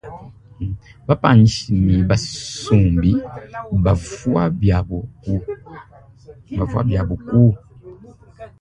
Bapanyishi ne basumbi bavwa biabo ku.